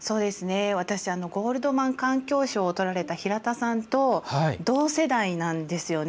私ゴールドマン環境賞をとられた平田さんと、同世代なんですよね。